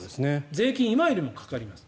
税金、今よりもかかります。